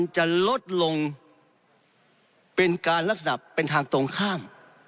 จะลดลงเป็นการลักษณะเป็นทางตรงข้าม